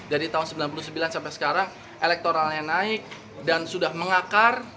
dari tahun seribu sembilan ratus sembilan puluh sembilan sampai sekarang elektoralnya naik dan sudah mengakar